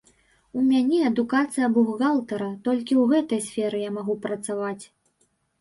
У мяне адукацыя бухгалтара, толькі ў гэтай сферы я магу працаваць.